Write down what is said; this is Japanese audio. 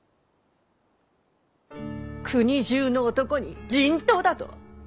国中の男に人痘だと！？